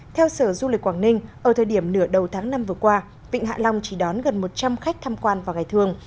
theo sở du lịch quảng ninh ở thời điểm nửa đầu tháng năm vừa qua vịnh hạ long chỉ đón gần một trăm linh khách tham quan vào ngày thường